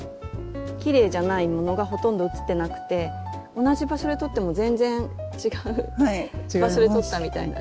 きれいじゃないものがほとんど写ってなくて同じ場所で撮っても全然違う場所で撮ったみたいなね